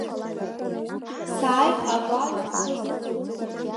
Сааит агәаҩа сҭысны.